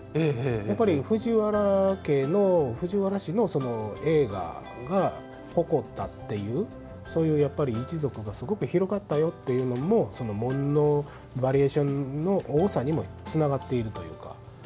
やっぱり、藤原氏の栄華が誇ったという一族が広がったよというのが紋のバリエーションの多さにもつながっているというか。